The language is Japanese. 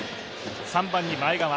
３番に前川。